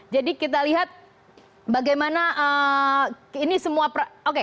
jadi kita lihat bagaimana ini semua perangkat